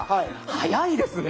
早いですね。